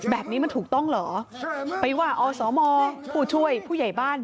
แบบนี้มันถูกต้องเหรอไปว่าอสมผู้ช่วยผู้ใหญ่บ้าน